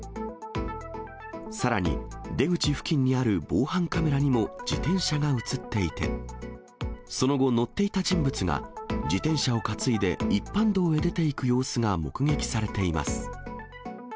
さらに出口付近にある防犯カメラにも自転車が写っていて、その後、乗っていた人物が自転車を担いで一般道へ出ていく様子が目撃されています。